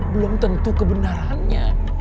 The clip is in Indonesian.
belum tentu kebenarannya